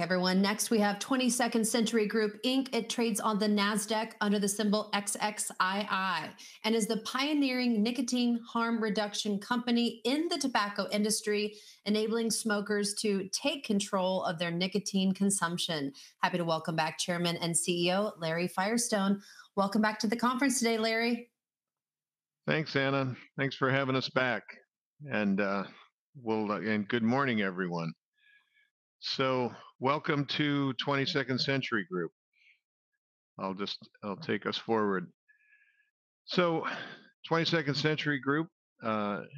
Everyone. Next, we have 22nd Century Group. It trades on the NASDAQ under the symbol XXII and is the pioneering nicotine harm reduction company in the tobacco industry, enabling smokers to take control of their nicotine consumption. Happy to welcome back Chairman and CEO Larry Firestone. Welcome back to the conference today, Larry. Thanks, Anna. Thanks for having us back. Good morning, everyone. Welcome to 22nd Century Group. I'll just, I'll take us forward. 22nd Century Group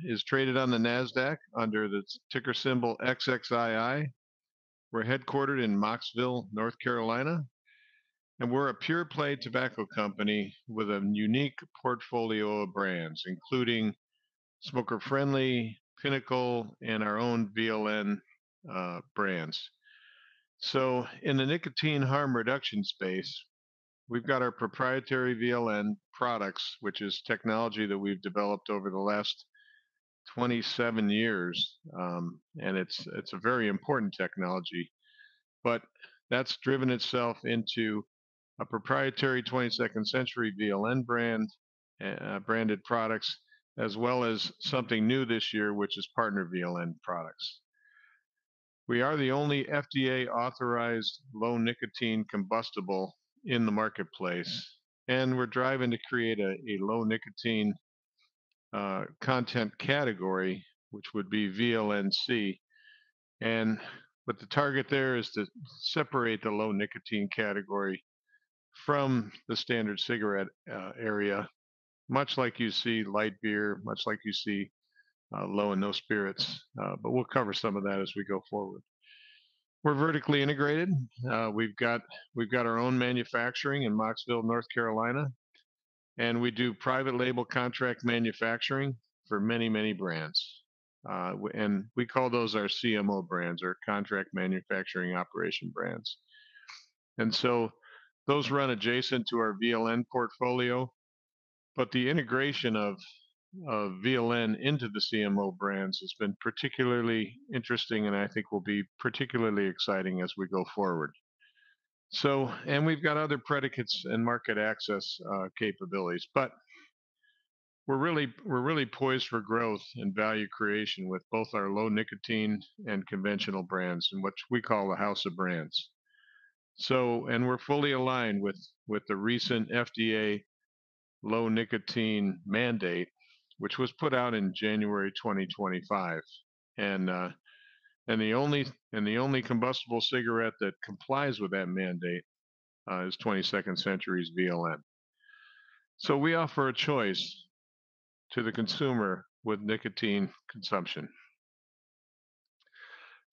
is traded on the NASDAQ under the ticker symbol XXII. We're headquartered in Mocksville, North Carolina, and we're a pure-play tobacco company with a unique portfolio of brands, including Smoker Friendly, Pinnacle, and our own VLN brands. In the nicotine harm reduction space, we've got our proprietary VLN products, which is technology that we've developed over the last 27 years. It's a very important technology, but that's driven itself into a proprietary 22nd Century VLN brand, branded products, as well as something new this year, which is partner VLN products. We are the only FDA authorized low nicotine combustible in the marketplace, and we're driving to create a low nicotine content category, which would be VLNC. The target there is to separate the low nicotine category from the standard cigarette area, much like you see light beer, much like you see low and no spirits. We will cover some of that as we go forward. We are vertically integrated. We have our own manufacturing in Mocksville, North Carolina, and we do private label contract manufacturing for many, many brands. We call those our CMO brands, our contract manufacturing operation brands. Those run adjacent to our VLN portfolio. The integration of VLN into the CMO brands has been particularly interesting and I think will be particularly exciting as we go forward. We have other predicates and market access capabilities, but we are really poised for growth and value creation with both our low nicotine and conventional brands and what we call the house of brands. We're fully aligned with the recent FDA low nicotine mandate, which was put out in January 2025. The only combustible cigarette that complies with that mandate is 22nd Century's VLN. We offer a choice to the consumer with nicotine consumption.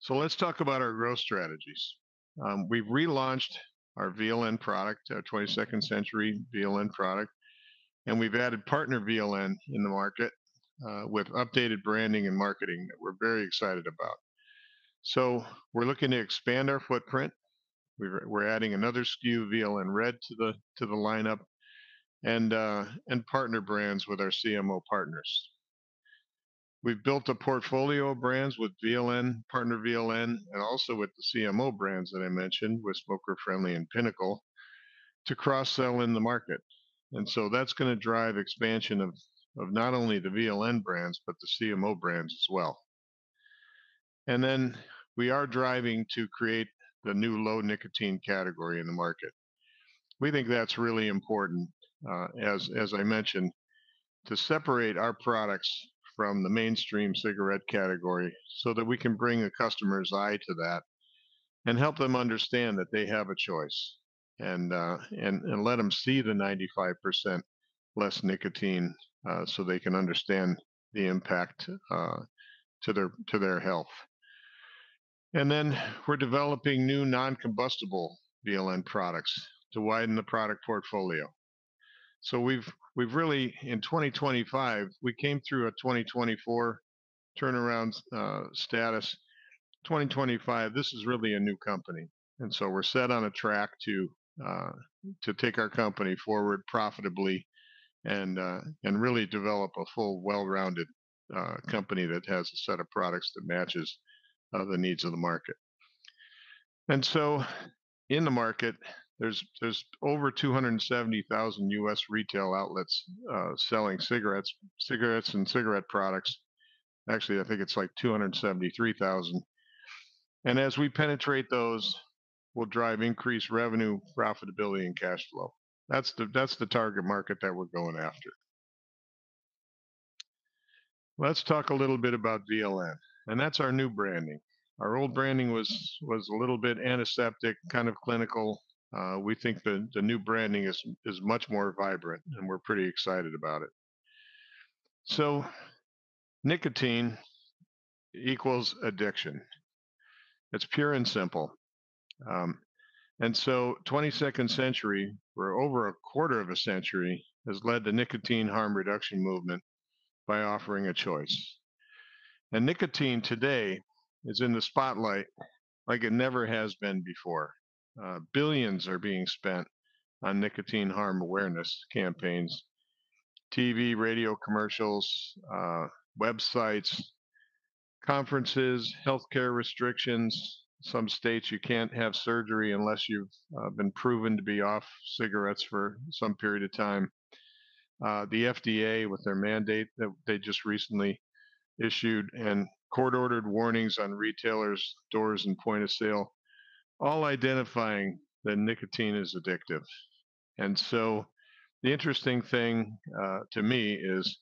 Let's talk about our growth strategies. We've relaunched our VLN product, our 22nd Century VLN product, and we've added partner VLN in the market, with updated branding and marketing that we're very excited about. We're looking to expand our footprint. We're adding another SKU, VLN Red, to the lineup and partner brands with our CMO partners. We've built a portfolio of brands with VLN, partner VLN, and also with the CMO brands that I mentioned, with Smoker Friendly and Pinnacle to cross-sell in the market. That is gonna drive expansion of not only the VLN brands, but the CMO brands as well. We are driving to create the new low nicotine category in the market. We think that is really important, as I mentioned, to separate our products from the mainstream cigarette category so that we can bring a customer's eye to that and help them understand that they have a choice and let them see the 95% less nicotine, so they can understand the impact to their health. We are developing new non-combustible VLN products to widen the product portfolio. We really, in 2025, came through a 2024 turnaround status. 2025, this is really a new company. We're set on a track to take our company forward profitably and really develop a full, well-rounded company that has a set of products that matches the needs of the market. In the market, there are over 270,000 U.S. retail outlets selling cigarettes, cigarettes and cigarette products. Actually, I think it's like 273,000. As we penetrate those, we'll drive increased revenue, profitability, and cash flow. That's the target market that we're going after. Let's talk a little bit about VLN, and that's our new branding. Our old branding was a little bit antiseptic, kind of clinical. We think the new branding is much more vibrant, and we're pretty excited about it. Nicotine equals addiction. It's pure and simple. 22nd Century, for over a quarter of a century, has led the nicotine harm reduction movement by offering a choice. Nicotine today is in the spotlight like it never has been before. Billions are being spent on nicotine harm awareness campaigns, TV, radio commercials, websites, conferences, healthcare restrictions. Some states, you can't have surgery unless you've been proven to be off cigarettes for some period of time. The FDA with their mandate that they just recently issued and court-ordered warnings on retailers, stores, and point of sale, all identifying that nicotine is addictive. The interesting thing to me is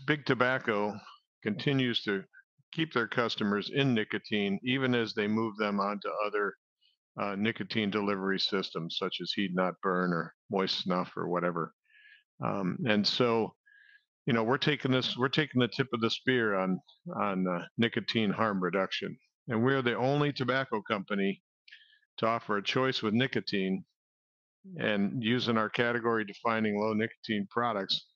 Big Tobacco continues to keep their customers in nicotine even as they move them onto other nicotine delivery systems such as Heat Not Burn or Moist Snuff or whatever. and so, you know, we're taking this, we're taking the tip of the spear on, on, nicotine harm reduction. We are the only tobacco company to offer a choice with nicotine and using our category defining low nicotine products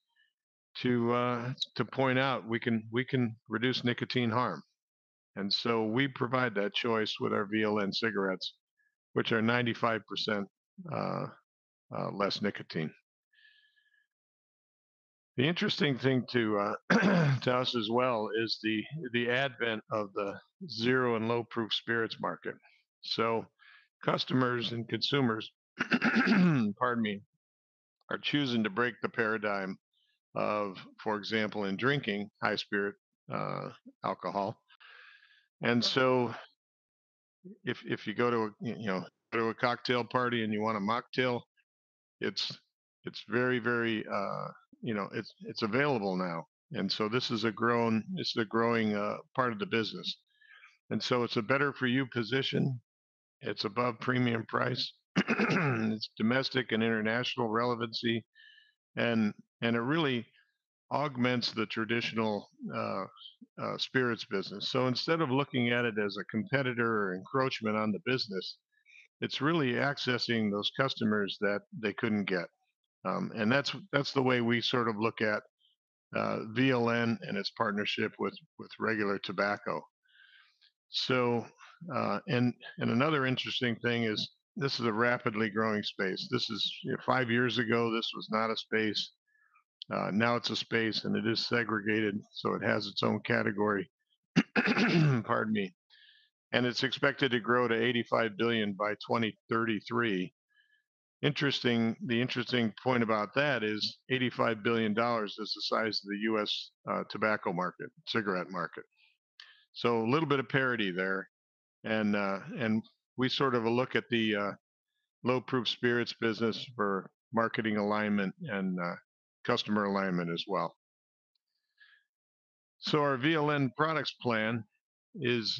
to, to point out we can, we can reduce nicotine harm. We provide that choice with our VLN cigarettes, which are 95% less nicotine. The interesting thing to, to us as well is the, the advent of the zero and low proof spirits market. Customers and consumers, pardon me, are choosing to break the paradigm of, for example, in drinking high spirit, alcohol. If you go to a, you know, go to a cocktail party and you want a mocktail, it's, it's very, very, you know, it's, it's available now. This is a growing, part of the business. It's a better for you position. It's above premium price. It's domestic and international relevancy, and it really augments the traditional spirits business. Instead of looking at it as a competitor or encroachment on the business, it's really accessing those customers that they couldn't get. That's the way we sort of look at VLN and its partnership with regular tobacco. Another interesting thing is this is a rapidly growing space. Five years ago, this was not a space. Now it's a space and it is segregated, so it has its own category, pardon me. It's expected to grow to $85 billion by 2033. The interesting point about that is $85 billion is the size of the U.S. tobacco market, cigarette market. A little bit of parity there. We sort of look at the low proof spirits business for marketing alignment and customer alignment as well. Our VLN products plan is,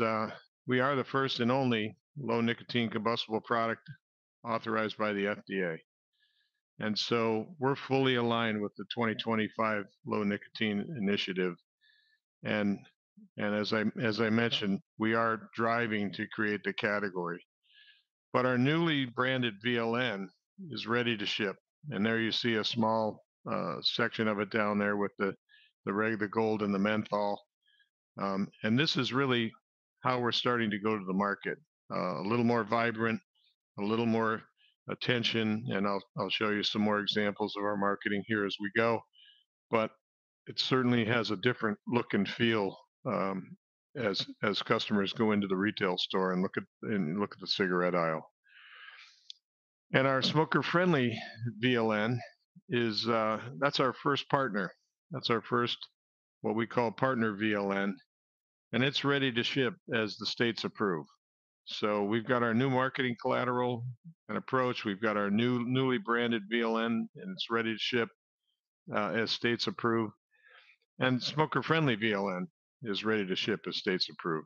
we are the first and only low nicotine combustible product authorized by the FDA. We are fully aligned with the 2025 low nicotine initiative. As I mentioned, we are driving to create the category, but our newly branded VLN is ready to ship. There you see a small section of it down there with the red, the gold, and the menthol. This is really how we are starting to go to the market, a little more vibrant, a little more attention. I'll show you some more examples of our marketing here as we go, but it certainly has a different look and feel, as customers go into the retail store and look at the cigarette aisle. Our Smoker Friendly VLN is our first partner. That's our first, what we call partner VLN, and it's ready to ship as the states approve. We've got our new marketing collateral and approach. We've got our newly branded VLN, and it's ready to ship as states approve. Smoker Friendly VLN is ready to ship as states approve.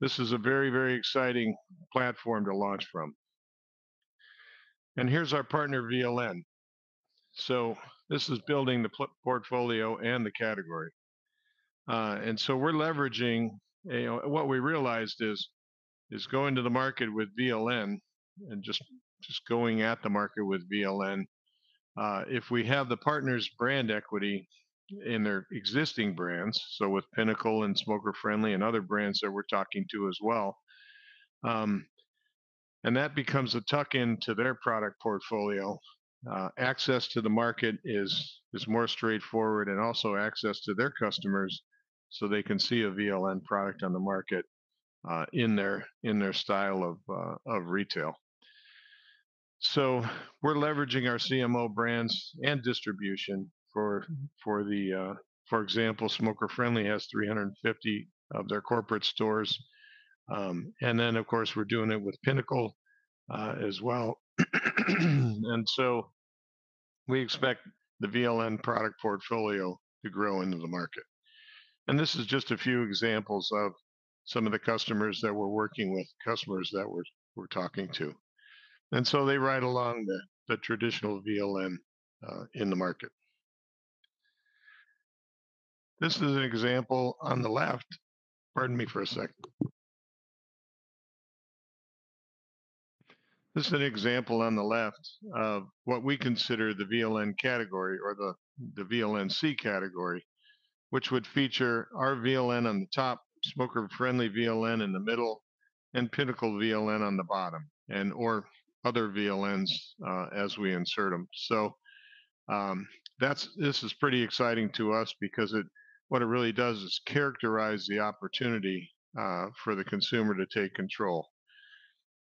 This is a very, very exciting platform to launch from. Here's our partner VLN. This is building the portfolio and the category. and so we're leveraging, you know, what we realized is, is going to the market with VLN and just, just going at the market with VLN, if we have the partner's brand equity in their existing brands, so with Pinnacle and Smoker Friendly and other brands that we're talking to as well. That becomes a tuck into their product portfolio. Access to the market is, is more straightforward and also access to their customers so they can see a VLN product on the market, in their, in their style of, of retail. So we're leveraging our CMO brands and distribution for, for example, Smoker Friendly has 350 of their corporate stores. And then of course we're doing it with Pinnacle, as well. And so we expect the VLN product portfolio to grow into the market. This is just a few examples of some of the customers that we're working with, customers that we're talking to. They ride along the traditional VLN in the market. This is an example on the left. Pardon me for a second. This is an example on the left of what we consider the VLN category or the VLNC category, which would feature our VLN on the top, Smoker Friendly VLN in the middle, and Pinnacle VLN on the bottom and/or other VLNs, as we insert 'em. This is pretty exciting to us because what it really does is characterize the opportunity for the consumer to take control.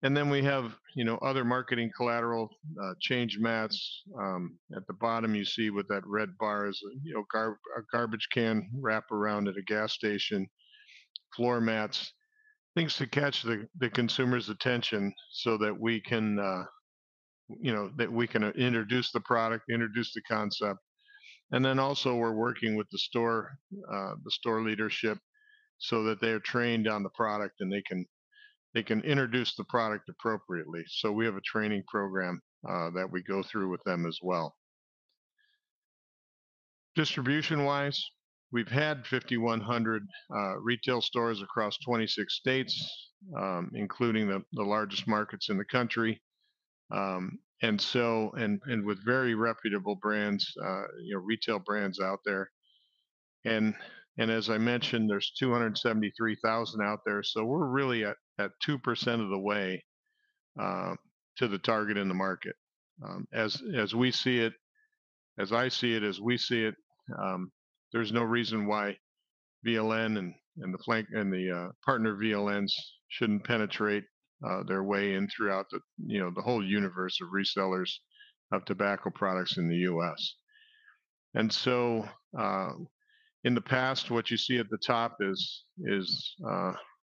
We have, you know, other marketing collateral, change mats. At the bottom you see with that red bar is a, you know, a garbage can wrap around at a gas station, floor mats, things to catch the consumer's attention so that we can, you know, that we can introduce the product, introduce the concept. Also, we're working with the store, the store leadership so that they are trained on the product and they can, they can introduce the product appropriately. We have a training program that we go through with them as well. Distribution-wise, we've had 5,100 retail stores across 26 states, including the largest markets in the country, and with very reputable brands, you know, retail brands out there. As I mentioned, there's 273,000 out there. We're really at 2% of the way to the target in the market. As we see it, as I see it, there's no reason why VLN and the partner VLNs shouldn't penetrate their way in throughout the whole universe of resellers of tobacco products in the U.S. In the past, what you see at the top is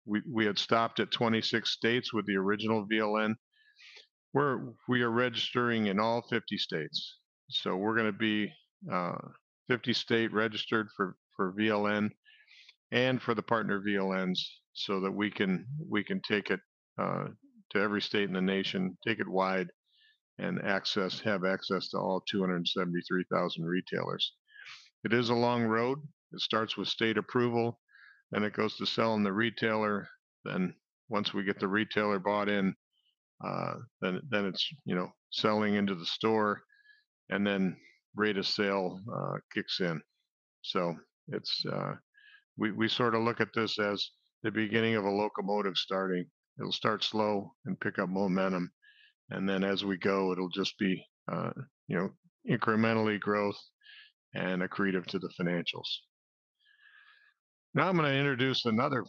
we had stopped at 26 states with the original VLN. We are registering in all 50 states. We're gonna be 50 states registered for VLN and for the partner VLNs so that we can take it to every state in the nation, take it wide and have access to all 273,000 retailers. It is a long road. It starts with state approval, then it goes to selling the retailer. Once we get the retailer bought in, then it's, you know, selling into the store and then rate of sale kicks in. We sort of look at this as the beginning of a locomotive starting. It'll start slow and pick up momentum. As we go, it'll just be, you know, incrementally growth and accretive to the financials. Now I'm gonna introduce another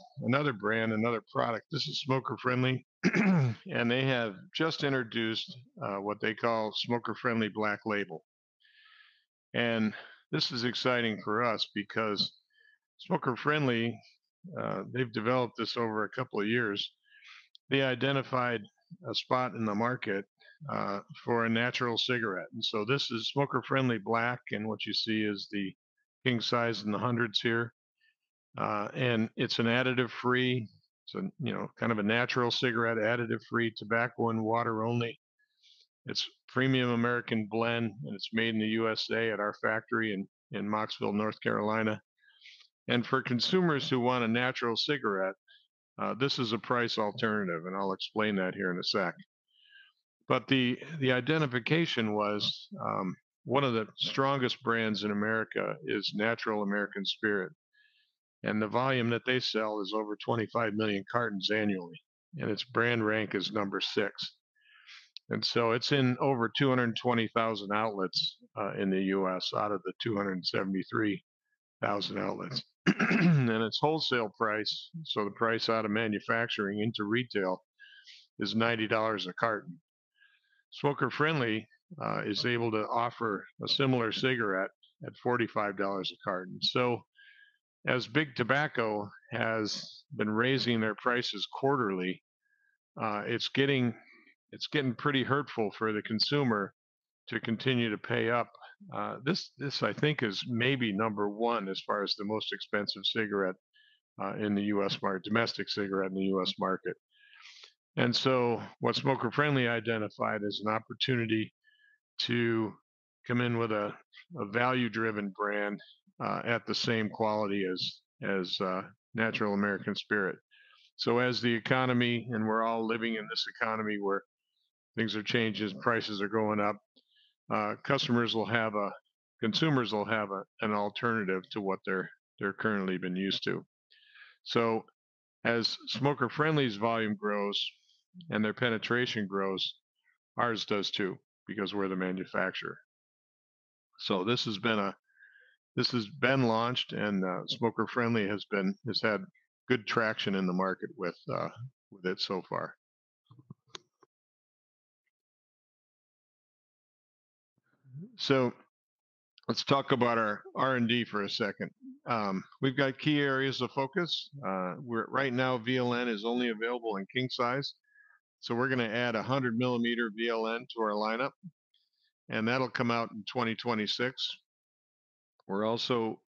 brand, another product. This is Smoker Friendly, and they have just introduced what they call Smoker Friendly Black Label. This is exciting for us because Smoker Friendly, they've developed this over a couple of years. They identified a spot in the market for a natural cigarette. This is Smoker Friendly Black, and what you see is the king size and the hundreds here, and it's an additive free. It's a, you know, kind of a natural cigarette, additive free, tobacco and water only. It's premium American blend, and it's made in the U.S. at our factory in Mocksville, North Carolina. For consumers who want a natural cigarette, this is a price alternative, and I'll explain that here in a sec. The identification was, one of the strongest brands in America is Natural American Spirit. The volume that they sell is over 25 million cartons annually, and its brand rank is number six. It's in over 220,000 outlets in the U.S. out of the 273,000 outlets. Its wholesale price, so the price out of manufacturing into retail, is $90 a carton. Smoker Friendly is able to offer a similar cigarette at $45 a carton. As Big Tobacco has been raising their prices quarterly, it's getting pretty hurtful for the consumer to continue to pay up. This, I think, is maybe number one as far as the most expensive cigarette in the U.S. market, domestic cigarette in the U.S. market. What Smoker Friendly identified is an opportunity to come in with a value-driven brand at the same quality as Natural American Spirit. As the economy, and we're all living in this economy where things are changing, prices are going up, consumers will have an alternative to what they're currently been used to. As Smoker Friendly's volume grows and their penetration grows, ours does too because we're the manufacturer. This has been launched and Smoker Friendly has had good traction in the market with it so far. Let's talk about our R&D for a second. We've got key areas of focus. Right now VLN is only available in king size. We're gonna add a hundred millimeter VLN to our lineup, and that'll come out in 2026. We're also,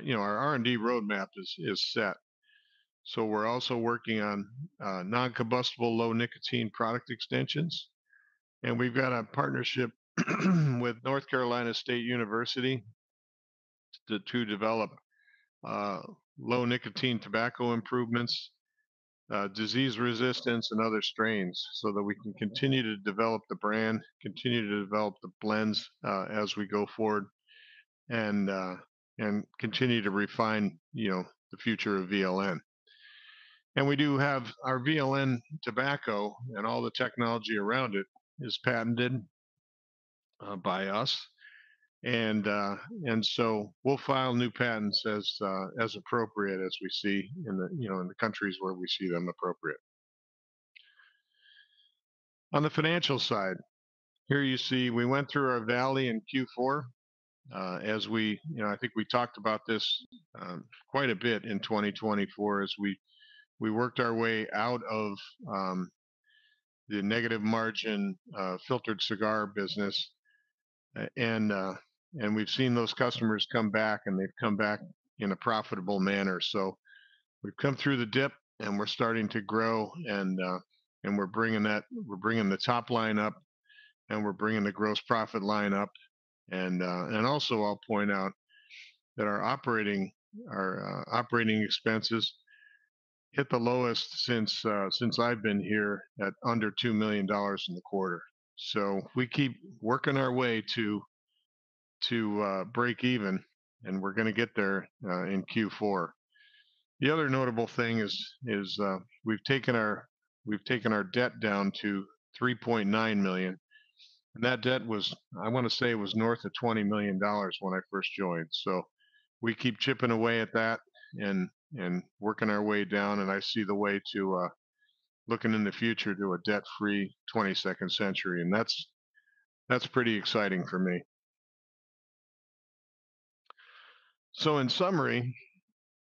you know, our R&D roadmap is set. We're also working on non-combustible low nicotine product extensions. We've got a partnership with North Carolina State University to develop low nicotine tobacco improvements, disease resistance, and other strains so that we can continue to develop the brand, continue to develop the blends as we go forward and continue to refine, you know, the future of VLN. We do have our VLN tobacco and all the technology around it is patented by us. We will file new patents as appropriate as we see in the countries where we see them appropriate. On the financial side, here you see we went through our valley in Q4, as we, you know, I think we talked about this quite a bit in 2024 as we worked our way out of the negative margin, filtered cigar business. We have seen those customers come back and they have come back in a profitable manner. We have come through the dip and we are starting to grow and we are bringing that, we are bringing the top line up and we are bringing the gross profit line up. Also, I'll point out that our operating expenses hit the lowest since I've been here at under $2 million in the quarter. We keep working our way to break even and we're gonna get there in Q4. The other notable thing is we've taken our debt down to $3.9 million. That debt was, I wanna say it was north of $20 million when I first joined. We keep chipping away at that and working our way down. I see the way to, looking in the future to a debt-free 22nd Century Group. That's pretty exciting for me. In summary,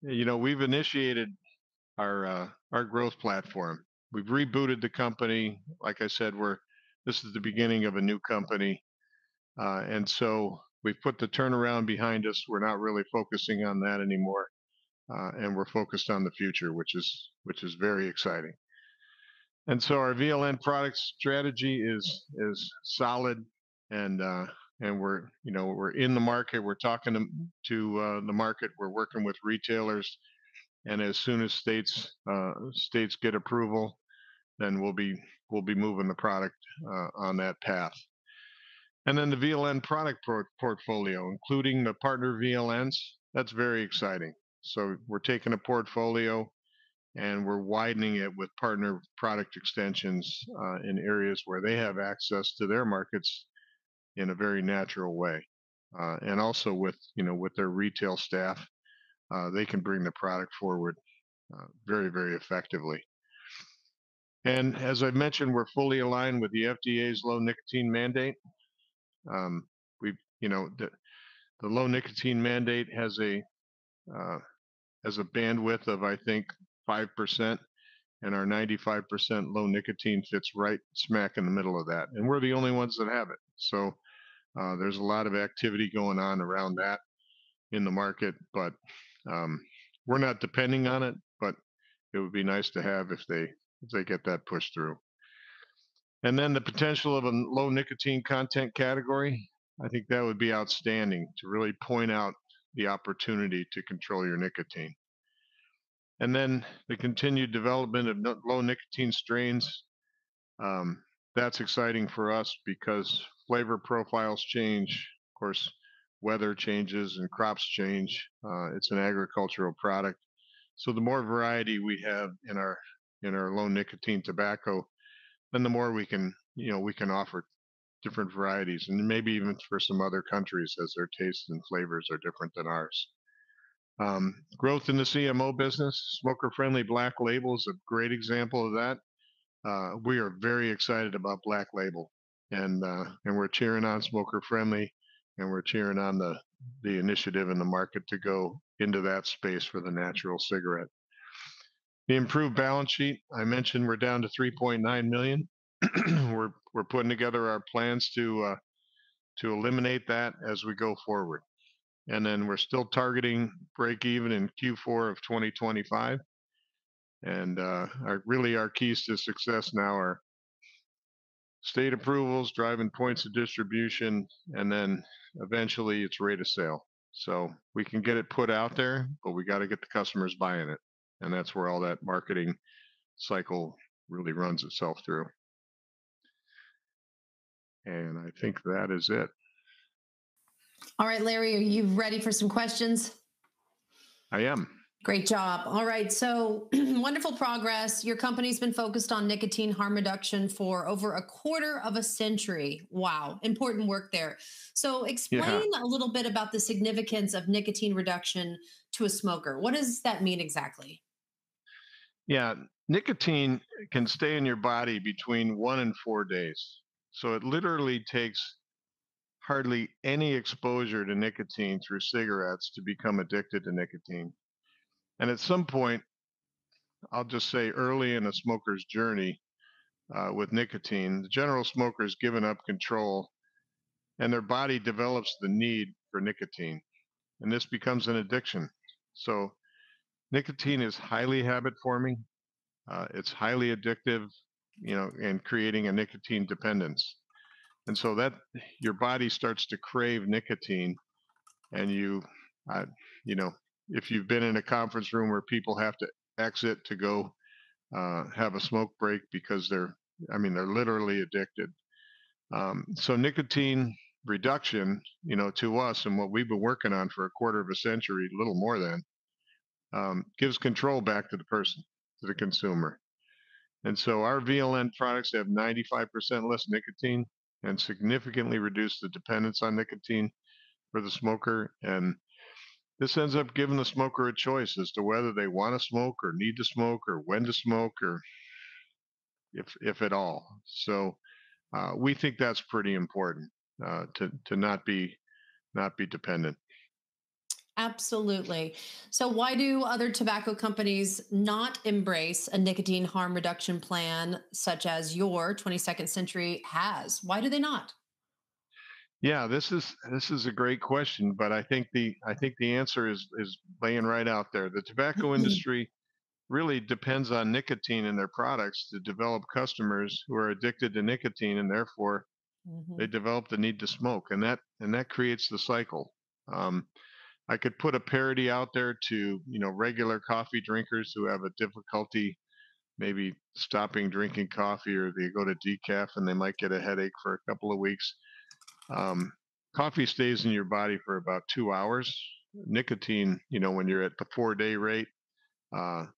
we've initiated our growth platform. We've rebooted the company. Like I said, this is the beginning of a new company, and we've put the turnaround behind us. We're not really focusing on that anymore. We're focused on the future, which is very exciting. Our VLN product strategy is solid and we're, you know, we're in the market. We're talking to the market. We're working with retailers. As soon as states get approval, we'll be moving the product on that path. The VLN product portfolio, including the partner VLNs, that's very exciting. We're taking a portfolio and we're widening it with partner product extensions in areas where they have access to their markets in a very natural way. Also, with their retail staff, they can bring the product forward very, very effectively. As I've mentioned, we're fully aligned with the FDA's low nicotine mandate. We, you know, the low nicotine mandate has a bandwidth of, I think, 5% and our 95% low nicotine fits right smack in the middle of that. We are the only ones that have it. There is a lot of activity going on around that in the market, but we are not depending on it, but it would be nice to have if they get that pushed through. The potential of a low nicotine content category, I think that would be outstanding to really point out the opportunity to control your nicotine. The continued development of low nicotine strains, that is exciting for us because flavor profiles change. Of course, weather changes and crops change. It is an agricultural product. The more variety we have in our low nicotine tobacco, the more we can offer different varieties and maybe even for some other countries as their tastes and flavors are different than ours. Growth in the CMO business, Smoker Friendly Black Label is a great example of that. We are very excited about Black Label and we're cheering on Smoker Friendly and we're cheering on the initiative in the market to go into that space for the natural cigarette. The improved balance sheet, I mentioned we're down to $3.9 million. We're putting together our plans to eliminate that as we go forward. We're still targeting break even in Q4 of 2025. Our keys to success now are state approvals, driving points of distribution, and then eventually it's ready to sell. We can get it put out there, but we gotta get the customers buying it. That is where all that marketing cycle really runs itself through. I think that is it. All right, Larry, are you ready for some questions? I am. Great job. All right. Wonderful progress. Your company's been focused on nicotine harm reduction for over a quarter of a century. Wow. Important work there. Explain a little bit about the significance of nicotine reduction to a smoker. What does that mean exactly? Yeah. Nicotine can stay in your body between one and four days. It literally takes hardly any exposure to nicotine through cigarettes to become addicted to nicotine. At some point, I'll just say early in a smoker's journey with nicotine, the general smoker's given up control and their body develops the need for nicotine. This becomes an addiction. Nicotine is highly habit forming. It's highly addictive, you know, and creating a nicotine dependence. Your body starts to crave nicotine and you, you know, if you've been in a conference room where people have to exit to go have a smoke break because they're, I mean, they're literally addicted. Nicotine reduction, you know, to us and what we've been working on for a quarter of a century, a little more than, gives control back to the person, to the consumer. Our VLN products have 95% less nicotine and significantly reduce the dependence on nicotine for the smoker. This ends up giving the smoker a choice as to whether they wanna smoke or need to smoke or when to smoke or if, if at all. We think that's pretty important, to, to not be, not be dependent. Absolutely. Why do other tobacco companies not embrace a nicotine harm reduction plan such as your 22nd Century has? Why do they not? Yeah, this is a great question, but I think the answer is laying right out there. The tobacco industry really depends on nicotine in their products to develop customers who are addicted to nicotine and therefore they develop the need to smoke and that creates the cycle. I could put a parody out there to, you know, regular coffee drinkers who have a difficulty maybe stopping drinking coffee or they go to decaf and they might get a headache for a couple of weeks. Coffee stays in your body for about two hours. Nicotine, you know, when you're at the four-day rate,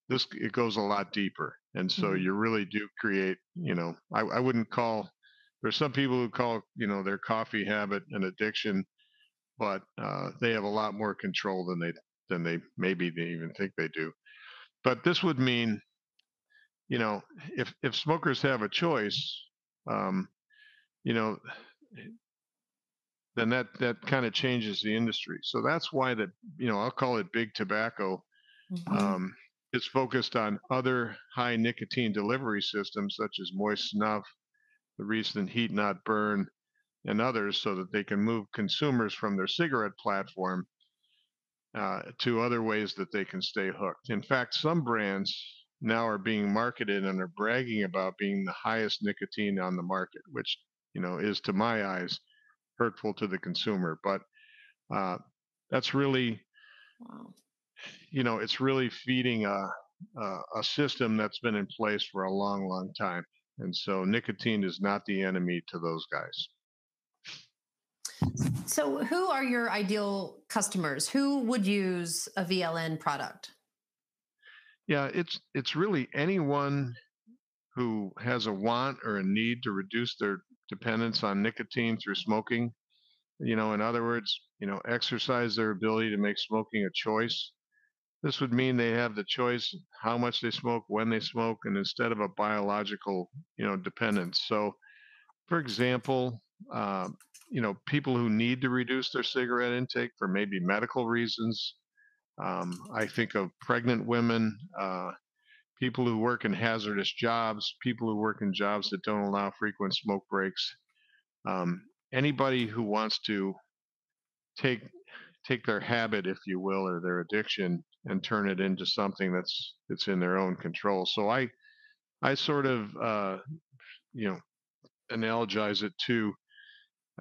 this, it goes a lot deeper. You really do create, you know, I wouldn't call, there's some people who call, you know, their coffee habit an addiction, but they have a lot more control than they maybe even think they do. This would mean, you know, if smokers have a choice, you know, then that kind of changes the industry. That's why, you know, I'll call it Big Tobacco, is focused on other high nicotine delivery systems such as Moist Snuff, the recent Heat Not Burn and others so that they can move consumers from their cigarette platform to other ways that they can stay hooked. In fact, some brands now are being marketed and are bragging about being the highest nicotine on the market, which, you know, is to my eyes hurtful to the consumer. That's really, you know, it's really feeding a system that's been in place for a long, long time. And so nicotine is not the enemy to those guys. Who are your ideal customers? Who would use a VLN product? Yeah, it's really anyone who has a want or a need to reduce their dependence on nicotine through smoking, you know, in other words, you know, exercise their ability to make smoking a choice. This would mean they have the choice how much they smoke, when they smoke, and instead of a biological, you know, dependence. For example, you know, people who need to reduce their cigarette intake for maybe medical reasons. I think of pregnant women, people who work in hazardous jobs, people who work in jobs that don't allow frequent smoke breaks. Anybody who wants to take their habit, if you will, or their addiction and turn it into something that's in their own control.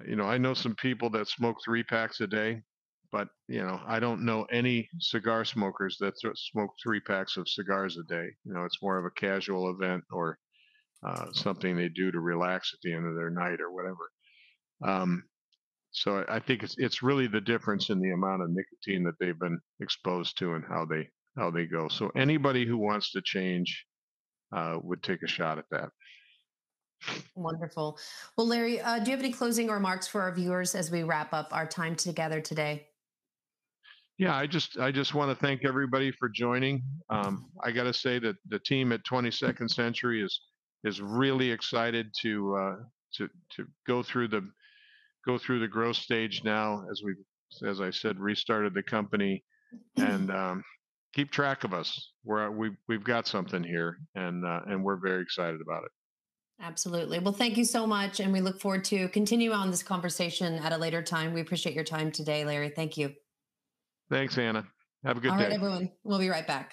I sort of, you know, analogize it to, you know, I know some people that smoke three packs a day, but I don't know any cigar smokers that smoke three packs of cigars a day. You know, it's more of a casual event or something they do to relax at the end of their night or whatever. I think it's really the difference in the amount of nicotine that they've been exposed to and how they go. Anybody who wants to change would take a shot at that. Wonderful. Larry, do you have any closing remarks for our viewers as we wrap up our time together today? Yeah, I just want to thank everybody for joining. I gotta say that the team at 22nd Century is really excited to go through the growth stage now as we, as I said, restarted the company and keep track of us. We've got something here and we're very excited about it. Absolutely. Thank you so much and we look forward to continuing on this conversation at a later time. We appreciate your time today, Larry. Thank you. Thanks, Anna. Have a good day. All right, everyone. We'll be right back.